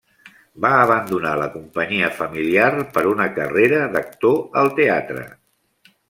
Va abandonar la companyia familiar per una carrera d'actor al teatre.